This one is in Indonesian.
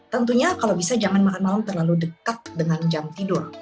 tentunya kalau bisa jangan makan malam terlalu dekat dengan jam tidur